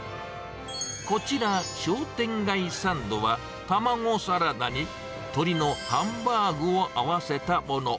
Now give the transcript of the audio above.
こちら、商店街サンドは、卵サラダに鶏のハンバーグを合わせたもの。